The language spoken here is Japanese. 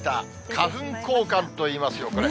花粉光環といいますよ、これ。